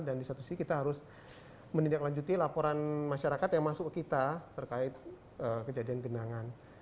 dan di satu sisi kita harus mendidaklanjuti laporan masyarakat yang masuk ke kita terkait kejadian genangan